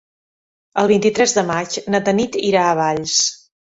El vint-i-tres de maig na Tanit irà a Valls.